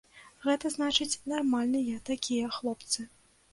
Гэта значыць нармальныя такія хлопцы.